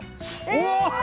お。